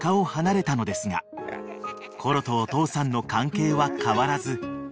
［コロとお父さんの関係は変わらず］